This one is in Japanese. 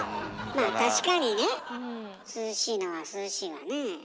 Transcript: まあ確かにね涼しいのは涼しいわねえ。